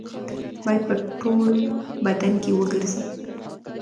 باید په ټول بدن کې وګرځي.